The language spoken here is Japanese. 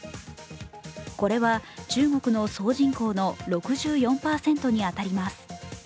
これは中国の総人口の６４％に当たります。